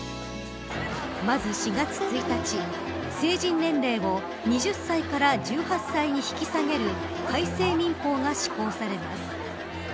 まず、４月１日成人年齢を２０歳から１８歳に引き下げる改正民法が施行されます。